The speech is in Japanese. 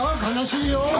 悲しいよ！